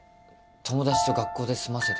友達と学校で済ませてきた。